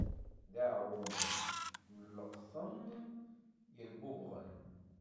D iɛerrumen n leqṭen yelbubɣen.